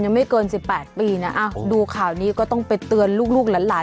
ยังไม่เกินสิบแปดปีน่ะอ้าวดูข่าวนี้ก็ต้องไปเตือนลูกลูกหลานหลาน